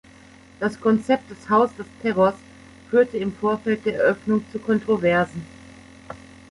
Das Konzept des Haus des Terrors führte im Vorfeld der Eröffnung zu Kontroversen.